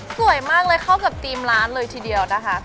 สวยมากเลยเข้ากับทีมร้านเลยทีเดียวนะคะ